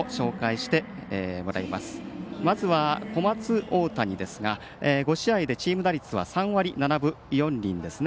まずは小松大谷ですが５試合、チーム打率は３割７分４厘ですね。